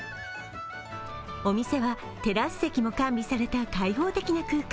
お店はテラス席も完備された開放的な空間。